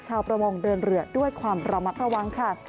ชาวประมงเดินเรือด้วยความระมัดระวังค่ะ